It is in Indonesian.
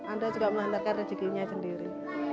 anda juga menghantarkan rezekinya sendiri